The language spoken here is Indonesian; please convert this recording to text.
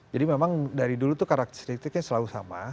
jadi memang dari dulu tuh karakteristiknya selalu sama